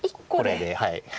これではい。